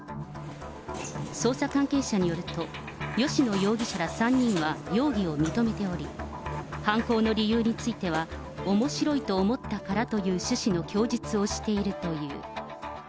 捜査関係者によると、吉野容疑者ら３人は容疑を認めており、犯行の理由については、おもしろいと思ったからという趣旨の供述をしているという。